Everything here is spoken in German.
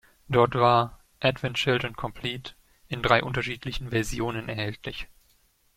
Dort war "Advent Children Complete" in drei unterschiedlichen Versionen erhältlich.